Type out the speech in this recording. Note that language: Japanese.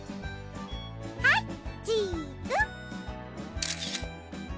はいチーズ！